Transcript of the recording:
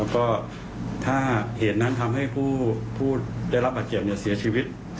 ก็ถ้าเหตุนั้นทำให้ผู้ได้รับบาดเจ็บเสียชีวิต